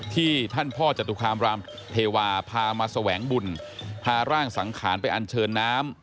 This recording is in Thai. ที่ท่านพ่อจตุคามรามเทวาพามาแสวงบุญพาร่างสังขารไปอันเชิญน้ำ